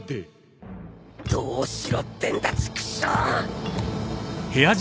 どうしろってんだチクショー